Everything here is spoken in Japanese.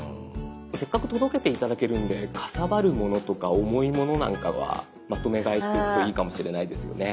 せっかく届けて頂けるのでかさばるものとか重いものなんかはまとめ買いしておくといいかもしれないですよね。